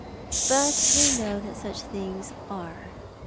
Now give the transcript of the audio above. But we know that such things are.